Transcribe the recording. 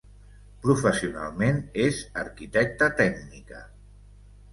Professionalment és arquitecta tècnica.